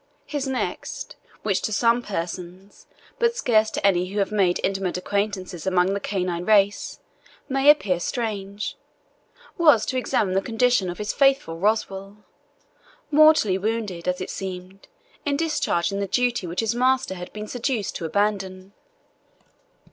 His next, which to some persons, but scarce to any who have made intimate acquaintances among the canine race, may appear strange, was to examine the condition of his faithful Roswal, mortally wounded, as it seemed, in discharging the duty which his master had been seduced to abandon.